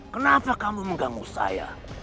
kenapa kamu mengganggu saya